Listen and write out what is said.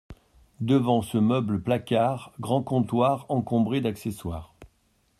Devant ce meuble-placard, grand comptoir encombré d’accessoires.